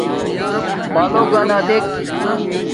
بلݸگَنݳ دݵک.